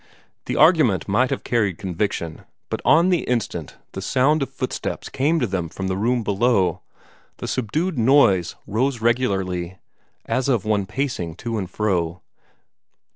The argument might have carried conviction, but on the instant the sound of footsteps came to them from the room below. The subdued noise rose regularly, as of one pacing to and fro.